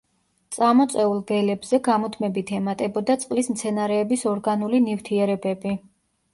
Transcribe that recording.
წამოწეულ ველებზე გამუდმებით ემატებოდა წყლის მცენარეების ორგანული ნივთიერებები.